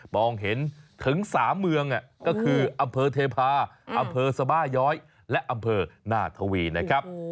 มองเห็นถึง๓เมืองก็คืออำเภอเทพาอำเภอสบาย้อยและอำเภอนาทวีนะครับ